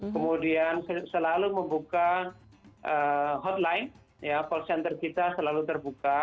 kemudian selalu membuka hotline call center kita selalu terbuka